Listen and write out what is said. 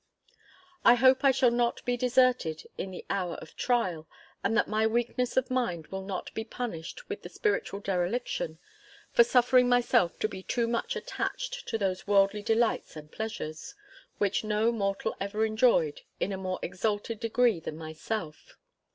I hope I shall not be deserted in the hour of trial, and that this my weakness of mind will not be punished with a spiritual dereliction, for suffering myself to be too much attached to those worldly delights and pleasures, which no mortal ever enjoyed in a more exalted degree than myself.